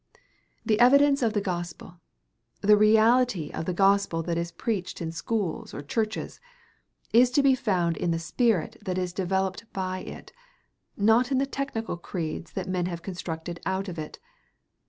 The evidence of the gospel, the reality of the gospel that is preached in schools or churches, is to be found in the spirit that is developed by it, not in the technical creeds that men have constructed out of it.